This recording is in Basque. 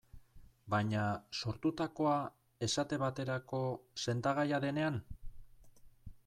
Baina, sortutakoa, esate baterako, sendagaia denean?